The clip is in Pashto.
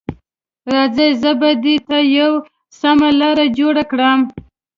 راځئ، زه به دې ته یوه سمه لاره جوړه کړم.